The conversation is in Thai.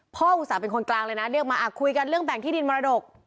อุตส่าห์เป็นคนกลางเลยนะเรียกมาคุยกันเรื่องแบ่งที่ดินมรดก